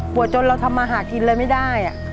จนเราทำมาหากินเลยไม่ได้